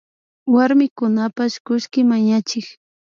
Warmikunapak kullki mañachik